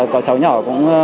có cháu nhỏ cũng